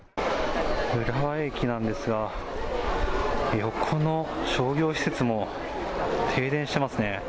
浦和駅なんですが、横の商業施設も停電してますね。